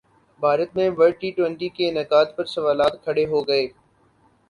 بھارت میں World T twenty کے انعقاد پر سوالات کھڑے ہوگئے